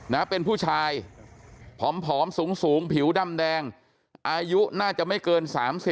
นะเป็นผู้ชายผอมสูงสูงผิวดำแดงอายุน่าจะไม่เกิน๓๐